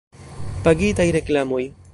Pagitaj reklamoj.